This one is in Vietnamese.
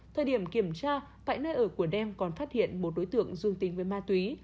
thời điểm kiểm tra tại nơi ở của đem còn phát hiện một đối tượng dương tính với ma túy